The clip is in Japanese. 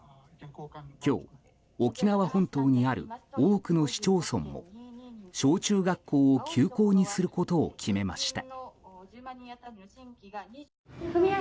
今日、沖縄本島にある多くの市町村も小中学校を休校にすることを決めました。